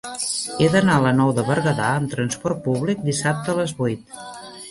He d'anar a la Nou de Berguedà amb trasport públic dissabte a les vuit.